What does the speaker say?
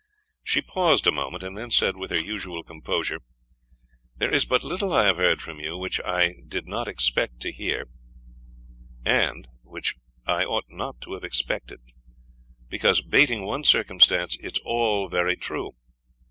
She paused a moment, and then said, with her usual composure, "There is but little I have heard from you which I did not expect to hear, and which I ought not to have expected; because, bating one circumstance, it is all very true.